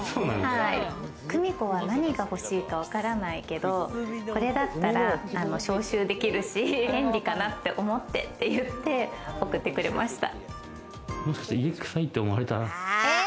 久美子は何が欲しいかわからないけど、これだったら消臭できるし便利かなって思ってって言って送ってくれました。